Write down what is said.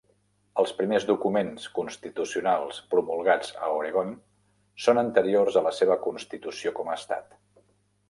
Els primers documents constitucionals promulgats a Oregon són anteriors a la seva constitució com a estat.